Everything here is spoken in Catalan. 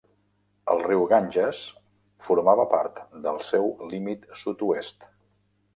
El riu Ganges formava part del seu límit sud-oest.